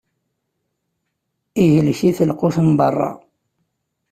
Ihlek-it lqut n berra.